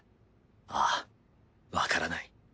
ああわからない。